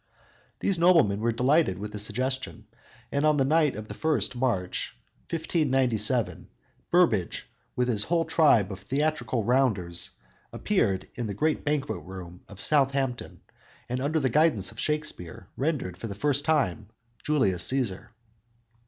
These noblemen were delighted with the suggestion, and on the night of the first of March, 1597, Burbage, with his whole tribe of theatrical "rounders," appeared in the grand banquet room of Southampton, and, under the guidance of Shakspere, rendered for the first time "Julius Cæsar."